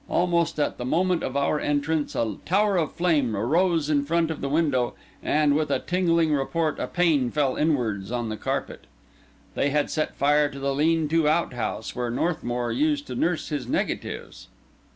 Almost at the moment of our entrance, a tower of flame arose in front of the window, and, with a tingling report, a pane fell inwards on the carpet. They had set fire to the lean to outhouse, where Northmour used to nurse his negatives.